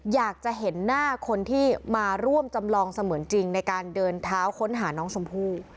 อยากจะเห็นหน้าคนที่มาร่วมจำลองเสมือนจริงในการเดินเท้าค้นหาน้องชมพู่